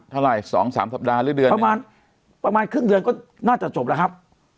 เท่าไหร่๒๓สัปดาห์หรือเดือนประมาณประมาณครึ่งเดือนก็น่าจะจบแล้วครับ